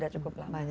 sudah cukup lama